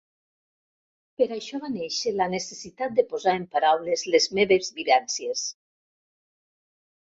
Per això va néixer la necessitat de posar en paraules les meves vivències.